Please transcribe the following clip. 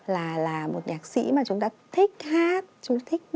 là một nhạc sĩ mà chúng ta thích hát